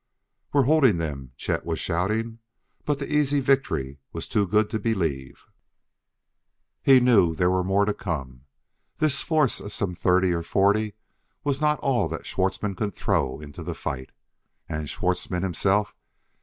"We're holding them!" Chet was shouting. But the easy victory was too good to believe; he knew there were more to come; this force of some thirty or forty was not all that Schwartzmann could throw into the fight. And Schwartzmann, himself!